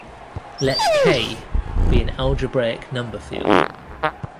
Let "K" be an algebraic number field.